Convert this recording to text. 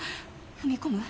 踏み込む？